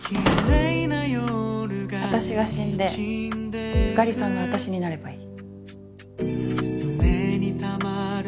私が死んで由香里さんが私になればいい。